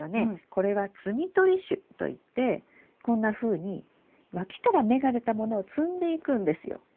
これは「摘み取り種」といってこんなふうに脇から芽が出たものを摘んでいくんですよ。